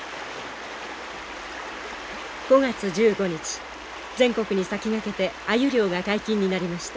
５月１５日全国に先駆けてアユ漁が解禁になりました。